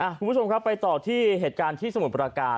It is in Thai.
คุณผู้ชมครับไปต่อที่เหตุการณ์ที่สมุทรประการ